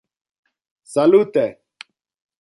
Salute!